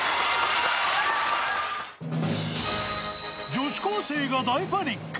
女子高生が大パニック！